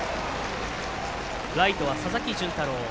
ライトは佐々木純太郎。